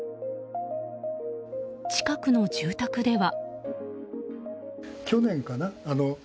近くの住宅では。